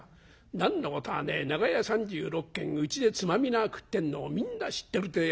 何のことはねえ長屋３６軒うちでつまみ菜食ってんのをみんな知ってるってえやつですよ。